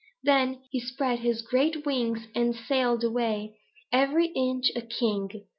Then he spread his great wings and sailed away, every inch a king.